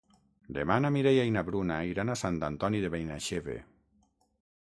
Demà na Mireia i na Bruna iran a Sant Antoni de Benaixeve.